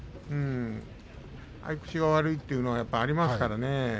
合い口が悪いっていうのはやっぱりありますからね。